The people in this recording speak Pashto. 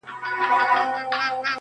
چي چي زړه وي تر هغو درپسې ژاړم_